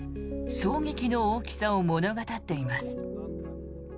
衝撃の大きさを物語っています。